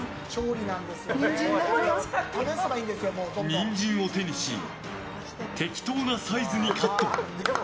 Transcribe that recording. ニンジンを手にし適当なサイズにカット。